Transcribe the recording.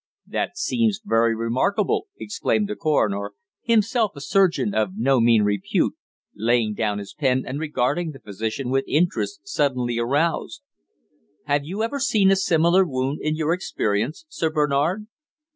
"That seems very remarkable!" exclaimed the coroner, himself a surgeon of no mean repute, laying down his pen and regarding the physician with interest suddenly aroused. "Have you ever seen a similar wound in your experience, Sir Bernard?"